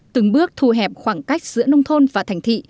từng bước thu hẹp khoảng cách giữa nông thôn và thành thị